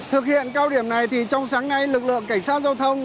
thực hiện cao điểm này thì trong sáng nay lực lượng cảnh sát giao thông